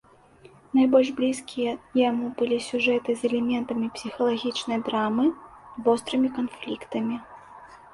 Найбольш блізкія яму былі сюжэты з элементамі псіхалагічнай драмы, вострымі канфліктамі.